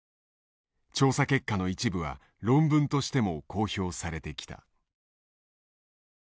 調査結果の一部は論文としても公表されてきた。